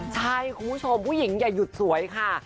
ใช่คุณผู้ชมผู้หญิงอย่าหยุดสวยค่ะ